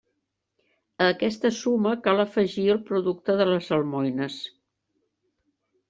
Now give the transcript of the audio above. A aquesta suma cal afegir el producte de les almoines.